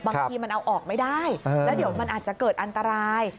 บางทีมันเอาออกไม่ได้แล้วเดี๋ยวมันอาจจะเกิดอันตราย